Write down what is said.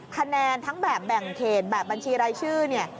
คะแนนทั้งแบบแบ่งเขตแบบบัญชีรายชื่อเนี่ย